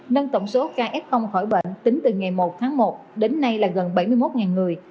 nâng tổng số ca f khỏi bệnh tính từ ngày một tháng một đến nay là gần bảy mươi một người